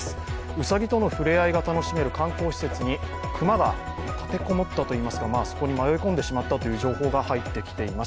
うさぎとの触れ合いが楽しめる観光施設に熊が立て籠もったと言いますか迷い込んでしまったという情報が入っています。